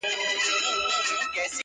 ژوند یې ښه وو کاروبار یې برابر وو-